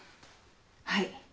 はい。